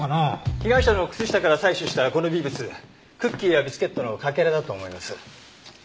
被害者の靴下から採取したこの微物クッキーやビスケットのかけらだと思います。